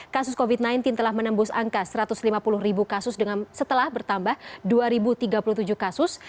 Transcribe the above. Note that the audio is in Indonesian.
kasus covid sembilan belas telah menembus angka satu ratus lima puluh ribu kasus setelah bertambah dua tiga puluh tujuh kasus